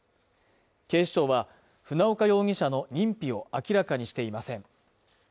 警視庁は船岡容疑者の認否を明らかにしていません。